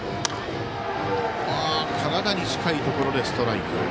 体に近いところでストライク。